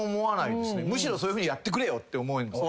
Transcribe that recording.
むしろそういうふうにやってくれよって思います。